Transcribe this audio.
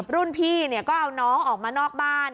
รุ่นพี่ก็เอาน้องออกมานอกบ้าน